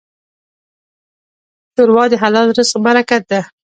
ښوروا د حلال رزق برکت ده.